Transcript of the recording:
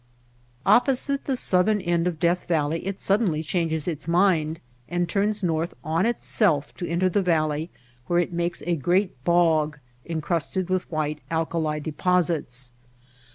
Opposite the southern end of Death Val ley it suddenly changes its mind and turns north on itself to enter the valley where it makes a great bog encrusted with white, alkali deposits.